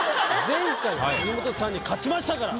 前回辻元さんに勝ちましたから。